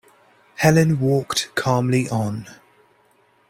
Helene walked calmly on.